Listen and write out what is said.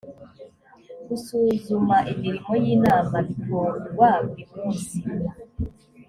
gusuzuma imirimo y ‘inama bikorwa burimunsi.